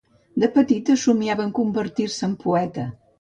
De petita somiava en convertir-se en poeta.